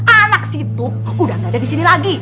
anak situ udah gak ada di sini lagi